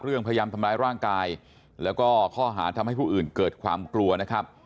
พยายามทำร้ายร่างกายแล้วก็ข้อหาทำให้ผู้อื่นเกิดความกลัวนะครับ